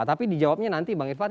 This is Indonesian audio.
tapi dijawabnya nanti bang irfan